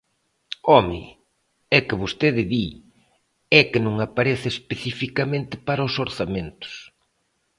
¡Home!, é que vostede di: é que non aparece especificamente para os orzamentos.